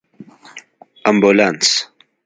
🚑 امبولانس